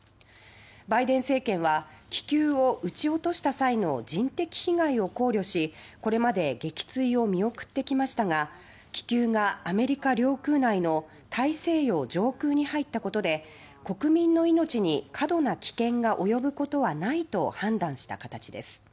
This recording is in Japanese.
バイデン政権は気球を撃ち落とした際の人的被害を考慮し、これまで撃墜を見送ってきましたが気球がアメリカ領空内の大西洋上空に入ったことで国民の命に過度な危険が及ぶことはないと判断した形です。